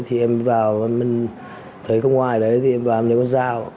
thì em vào em thấy có ngoài đấy thì em vào em nhớ con dao